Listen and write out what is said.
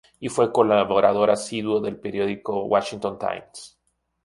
Y fue colaborador asiduo del periódico Washington Times.